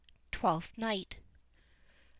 Twelfth Night.